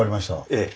ええ。